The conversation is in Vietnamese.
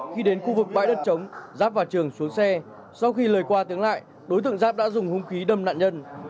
khi đến khu vực bãi đất trống giáp và trường xuống xe sau khi lời qua tiếng lại đối tượng giáp đã dùng húng khí đâm nạn nhân